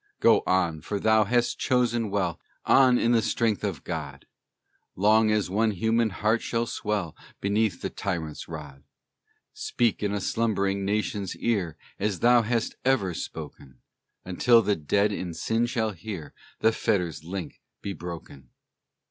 Go on, for thou hast chosen well; On in the strength of God! Long as one human heart shall swell Beneath the tyrant's rod. Speak in a slumbering nation's ear, As thou hast ever spoken, Until the dead in sin shall hear, The fetter's link be broken!